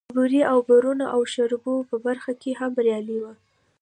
د بورې او ربړونو او شرابو په برخه کې هم بريالی و.